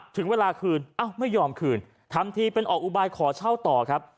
ถึงเวลาคืนอ้าวไม่ยอมคืนทำทีเป็นออกอุบายขอเช่าต่อครับ